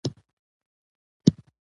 ګورګین د تفلیس په غرونو کې پټ شوی و.